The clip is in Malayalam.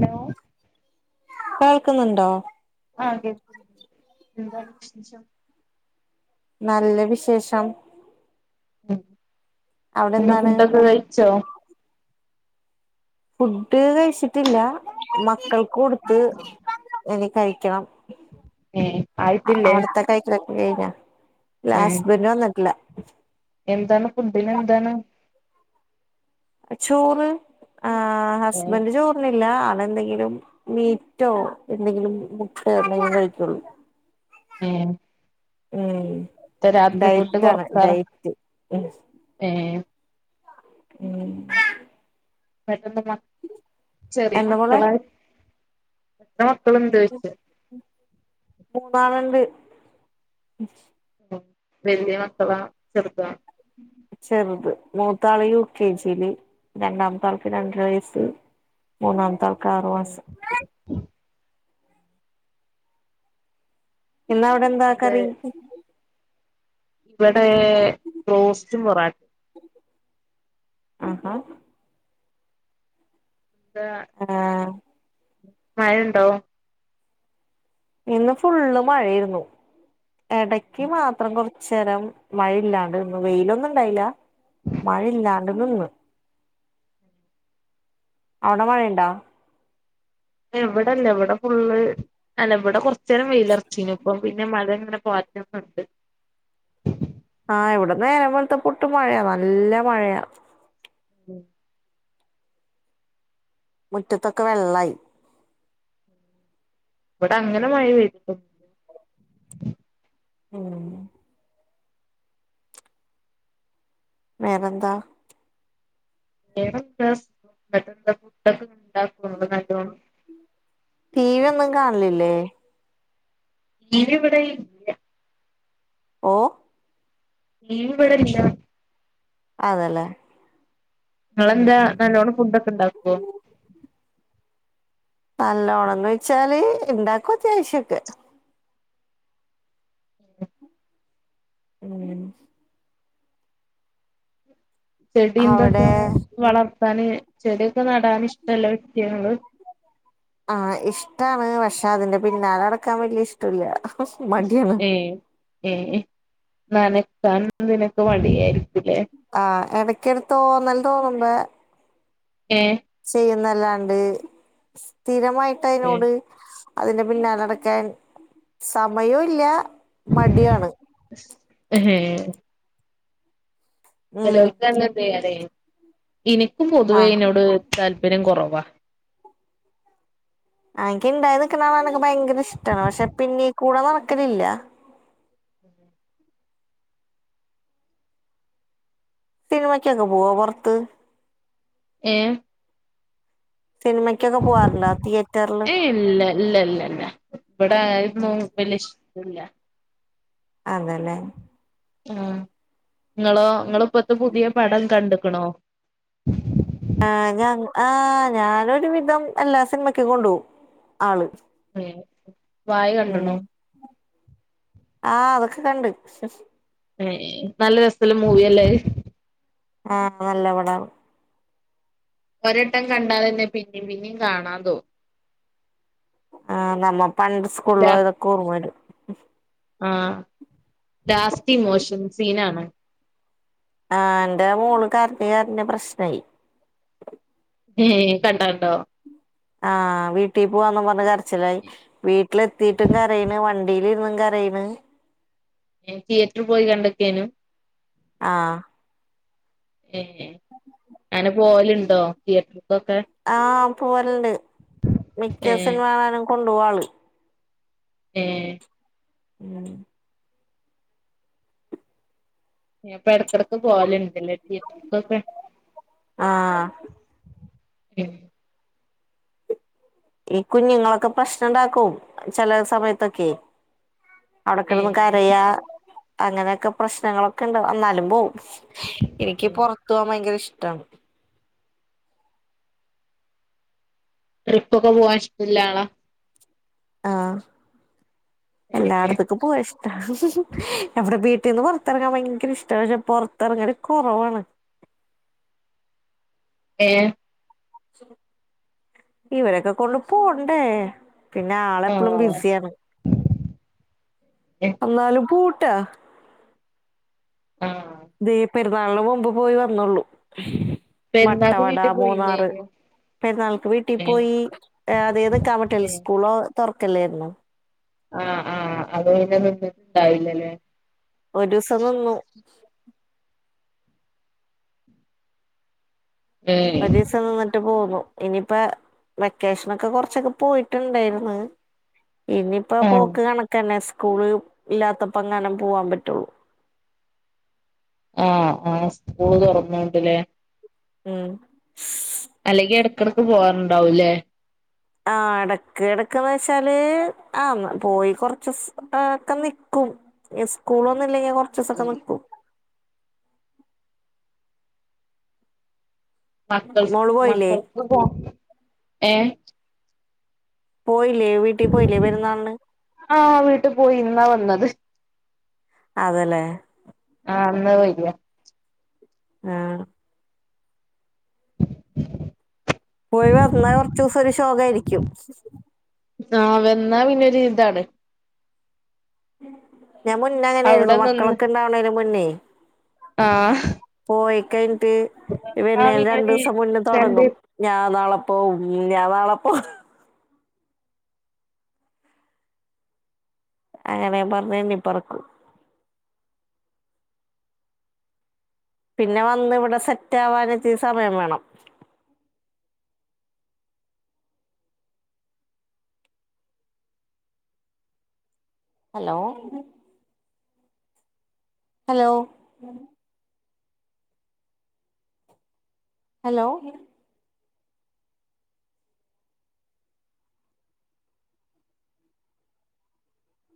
ഹലോ കേൾക്കുന്നുണ്ടോ ആഹ് കേൾക്കുന്നുണ്ട് എന്താണ് വിശേഷം നല്ല വിശേഷം ഉം അവിടെ എന്ത എന്താണ് ഫുഡ് ഒക്കെ കഴിച്ചോ, ഫുഡ് കഴി കഴിച്ചിട്ടില്ല മക്കൾക്ക് കൊടുത്ത് എനി കഴിക്കണം ഏഹ് ആയിട്ടില്ലേ അവിടത്തെ കൈക്കലൊക്കെ കഴിഞ്ഞോ ഇല്ല ഏഹ് ഹസ് ഡ് വന്നിട്ടില്ല എന്താണ് ഫുഡ്‌ന് എന്താണ് ചോറ് ആഹ് ഏഹ് ഹസ്ബഡ് ചോറ് അല്ല ആളെന്തെങ്കിലും മീറ്റോ എന്തെങ്കിലും മുട്ടയോ കഴിക്കുള്ളൂ ഏഹ് ഉം ഇപ്പ രാത്രി ഫുഡ് ഡയറ്റാണ് കൊറക്കാറാ ഡയറ്റ് ഉം ഏഹ് ഉം എന്നിട്ട് ചെറിയ എന്താ മോളെ മക്കളെ എത്ര മക്കള് ഇണ്ട് ചോയ്ച്ച മൂന്നാളുണ്ട് ഉം വല്ല്യ മക്കളാ ചെറുതോ ചെറുത് മൂത്താള് യു കെ ജിയില് രണ്ടാമത്താൾക്ക് രണ്ടര വയസ്സ് മൂന്നാമത്തെ ആൾക്ക് ആറ് ഏഹ് മാസം ഇന്ന് അവിടെ എന്താ അത് കറി ഇവിടെ ബ്രോസ്റ്റും പോറട്ടിം ആഹാ എന്ത ആഹ് മഴ ഉണ്ടോ ഇന്ന് ഫുള്ള് മഴയായിരുന്നു ഇടക്ക് മാത്രം കുറച്ച് കുറച്ചേരം മഴയില്ലാണ്ട് നിന്ന് വെയിലൊന്നും ഇണ്ടായില്ല മഴയില്ലാ ഇവടെ നിന്ന് അവിടെ മഴയണ്ടാ ഇവിടെല്ല ഇവിടെ ഫുള്ള് അല്ല ഇവിടെ കുറച്ച് നേരം വെയിലർച്ചീന് ഇപ്പം പിന്നെ മഴങ്ങനെ പാറ്റ്ന്നുണ്ട് ആഹ് ഇവിട നേരം വെളുപ്പത്തെ തോട്ട് മഴയാ നല്ല മഴയാ ഉം മുറ്റത്തൊക്കെ വെള്ളായി ഇവിടെ അങ്ങനെ മഴ വരും ഉം വേറെ എന്താ ഏതാ ക്ലാസ്സ് [unintelligible] ഇങ്ങള് നല്ലോണം [inaudible] ടീ വി ഒന്നും കാണലില്ലേ ടി വി ഇവിടെ ഇല്ല ഓഹ് നീ വടല്ല. അതല്ലേ ഉം നിങ്ങെന്താ ഉം നല്ലോണ്ണം ഫുഡ് ഒക്കെ ഇണ്ടാക്കോ നല്ലോണംന്ന് വെച്ചാല് ഇണ്ടാക്കും അത്യാവശ്യം ഒക്കെ ഉം ചെടി എന്തൊക്കെ അവിടെ വളർത്താന് ചെടിയൊക്കെ നടാൻ ഇഷ്ടള്ള വ്യക്തി ആണോങ്ങള് ആഹ് ഇഷ്ടമാണ് പക്ഷെ അതിന്റെ പിന്നാലെ നടക്കാൻ വലിയ ഇഷ്ടമല്ല മടിയാണ് ഏഹ് ഏഹ് നനക്കാൻ ഇതീനോക്കെ മടിയായിരിക്കൂല്ലേ ആഹ് ഇടയ്ക്കെരു തോന്നൽ തോന്നുമ്പ ഏഹ് ചെയ്യുന്നല്ലാണ്ട് സ്ഥിരമായിട്ട് അതിനോട് അതിന്റെ പിന്നാല നടക്കാൻ സമയവും ഇല്ല മടിയാണ് എഹേയ് ഉം ചേലോൽക്ക് [unintelligible] എനിക്കും പൊതുവേ ആഹ് അതിനോട് താല്പര്യം കുറവാ എനിക്ക് ഇണ്ടായി നിക്കണത് കാണാൻ എനിക്ക് ഭയങ്കര ഇഷ്ടമാണ് പക്ഷെ പിന്നീ കൂടെ നടക്കലില്ല [inaudible] സിനിമയ്ക്കൊക്കെ പോവോ പുറത്ത് ഏഹ് സിനിമക്ക്‌ ഏഹ് ഇല്ല ഇല്ല ഇല്ല ഇല്ല ഇവിടെ അതൊന്നും വല്യയ ഇഷ്ടല്ല അതെല്ലെ ആഹ് നിങ്ങളോ നിങ്ങളിപ്പത്തെ പുതിയ പടം കണ്ടിക്കണോ ആഹ് ഞാൻ ആഹ് ഞാനൊരു വിധം എല്ലാ സിനിമക്ക് കൊണ്ടുപോവും ആള് ഏഹ് വാഴ കണ്ട്ണോ ഉം ആഹ് അതൊക്കെ കണ്ട് ഏഹ് നല്ല രസല്ല മൂവി അല്ലേ അത് ആഹ് നല്ല പടാണ് ഒരട്ടം കണ്ടാ തന്നെ പിന്നേം പിന്നേം കാണാൻ തോന്നും ആഹ് നമ്മ പണ്ട് സ്കൂളിൽ ലാ പോയതൊക്കെ ഓർമ്മ വരും ആഹ് ലാസ്റ്റ് ഇമോഷൻ സീനാണ് ആഹ് എന്റെ മോള് കരഞ്ഞു കരഞ്ഞു പ്രശ്നായി ഏഹ് കണ്ടാണ്ടോ? ആഹ് വീട്ടീൽ പോവാന്ന് പറഞ്ഞ് കരച്ചിലായി വീട്ടിലെത്തിട്ടും കരയേണ് വണ്ടിലിരുന്നു കരയേണ് തിയേറ്റർ പോയി കണ്ടൊക്കെയ്നു ആഹ് ഏഹ് [inaudible] അങ്ങനെ പോവലുണ്ടോ തിയേറ്റർക്കൊക്കെ ആഹ് പോവലണ്ട് മിക്ക ഏഹ് സിനിമാണാലും കൊണ്ടു പോവാള് ഏഹ് ഉം പ്പ ഇടക്കിടക്ക് പോവലുണ്ടല്ലേ തിയേറ്റർക്കൊക്കെ ആഹ് പി ഈ കുഞ്ഞുങ്ങളൊക്കെ പ്രശ്നുണ്ടാക്കും ചില സമയത്തൊക്കെ അവിടക്കെടന്ന് ഏഹ് കരയാ അങ്ങനെയൊക്കെ പ്രശ്നങ്ങളൊക്കെ ഇണ്ടവു എന്നാലും പോവും എനിക്ക് പുറത്ത് പോവാൻ ഭയങ്കര ഇഷ്ട്ടാണ് ട്രിപ്പ് ഒക്കെ പോവൻ ഇഷ്ട്ടല്ലാള ആഹ് ഏഹ് എല്ലായിടത് പോവാ ഇഷ്ട എവിടെ വീട്ടിൽന്ന് പുറത്തിറങ്ങാൻ ഭയങ്കര ഇഷ്ട പക്ഷെ പുറത്തിറങ്ങല് കുറവാണ് ഏഹ് ഇവരൊക്കെ കൊണ്ട് പോണ്ടേ പിന്നെ ആളെപ്പോളും ആഹ് ബിസിയാണ് എന്നാല് പൂട്ട ആഹ് ദെ പെരുന്നാളിന് മുമ്പ് പോയി വന്നുള്ളു പെരുന്നാക്ക് മട്ടവട വീട്ടിൽ മൂന്നാറ് പോയില്ലേനോ പെരുന്നാൾക്ക് വീട്ടി ഏഹ് പോയി അത് ഏതൊക്കാൻ പറ്റല്ല ഏഹ് സ്കൂളോ തുറക്കല്ലായിരുന്നു ആഹ് ആഹ് അത് നിന്നിട്ട ഉണ്ടാവില്ലല്ലേ ഒരുസം നിന്നു ഏഹ് സേവ് പോകും ഇനിപ്പ വെക്കേഷനോക്കെ കൊറച്ചൊക്കെ പോയിട്ടുണ്ടായിരുന്നു ഇനിയിപ്പോ ആഹ് പോക്ക് കണക്കന്നെ സ്കൂള് ഇല്ലാത്തപ്പോ അങ്ങാനെ പോവാൻ പറ്റുള്ളൂ ഏഹ് ആഹ് സ്കൂൾ തുറന്നുണ്ട്ല്ലേ ഉം അല്ലെങ്കി ഇടക്കിടക്ക് പോവാാറുണ്ടാവുംല്ലേ ആഹ് എടക്ക് ഇടക്ക്ന്ന് വെച്ചാല് ആഹ് പോയി കൊറച്ച്ദിവസക്കെ നിക്കും സ്കൂളൊന്ന ഇല്ലെങ്ക കൊറച്ചസൊക്കെ ഉം നി ക്കും മക്കൾ മോള് പോയില്ലേ മക്കൾ പോ ഏഹ് പോയില്ലേ വീട്ടിൽ പോയില്ലേ പെരുന്നാലിന് ആഹ് വീട്ടിൽ പോയി ഇന്നാ വന്നത് അതല്ലേ ആഹ് അന്ന വരി ആഹ് പോയി വന്നാ കൊറച്ചുസം ഒരു ശോക ആയിരിക്കും ആഹ് വന്നാ പിന്നെ ഒരു ഇതാണ് ഞാൻ മുന്നേ അങ്ങനൊയിരുന്നു അവിടെ നിന്ന് മക്കളൊക്കെ ഇണ്ടാവണേന് മുന്നേ ആഹ് പോയി കഴിഞ്ഞിട്ട് എന്നാ വരുന്നേൽ രണ്ടു പിന്നൊരു ദിവസം മുന്നേ രണ്ട് തുടങ്ങും ഞാൻ നാളെ പോവും ഞാൻ നാളെപ്പോ അങ്ങനെയെ പറഞ്ഞന്നിപ്പറക്കും പിന്നെ വന്ന് ഇവിടെ സെറ്റ് ആവാനക്ക് സമയം വേണം ഹലോ ഹലോ ഹലോ